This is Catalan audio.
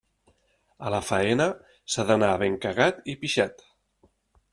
A la faena s'ha d'anar havent cagat i pixat.